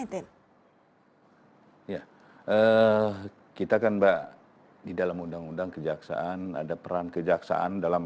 terima kasih pana kita dalam